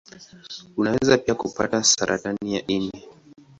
Unaweza pia kupata saratani ya ini.